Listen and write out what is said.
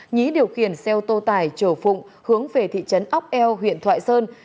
nhí điều khiển xe ô tô tải chở phụng hướng về thị trấn ốc eo huyện thoại sơn